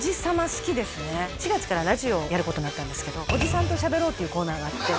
４月からラジオをやることになったんですけどっていうコーナーがあって